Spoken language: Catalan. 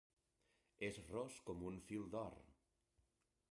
És ros com un fil d'or.